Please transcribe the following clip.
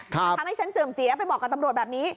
มันทำให้ฉันเสื่อมเสียไปบอกกับตำรวจแบบนี้